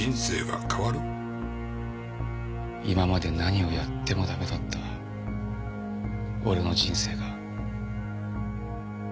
今まで何をやってもダメだった俺の人生が。